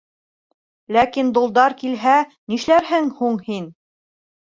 Ләкин долдар килһә, нишләрһең һуң һин?